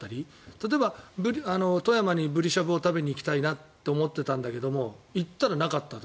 例えば富山にブリしゃぶを食べに行きたいなと思ったんだけど行ったら、なかったと。